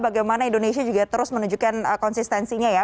bagaimana indonesia juga terus menunjukkan konsistensinya ya